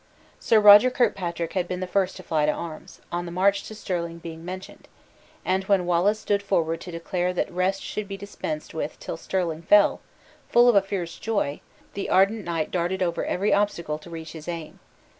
Sir Roger Kirkpatrick had been the first to fly to arms, on the march to Stirling being mentioned; and when Wallace stood forward to declare that rest should be dispensed with till Stirling fell, full of a fierce joy, the ardent knight darted over every obstacle to reach his aim.